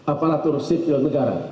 apalatur sektor negara